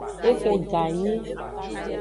Exo ganyi.